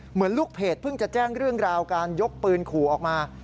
เหมือนลูกเพจเพิ่งจะแจ้งเรื่องราวการยกปืนขู่ออกมา